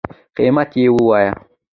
قیمت یی ووایه